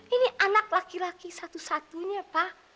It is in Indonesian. ini anak laki laki satu satunya pak